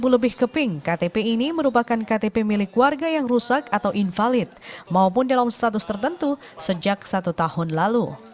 dua puluh lebih keping ktp ini merupakan ktp milik warga yang rusak atau invalid maupun dalam status tertentu sejak satu tahun lalu